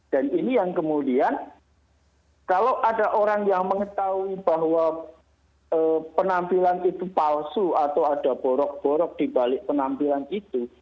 dan ini yang kemudian kalau ada orang yang mengetahui bahwa penampilan itu palsu atau ada borok borok dibalik penampilan itu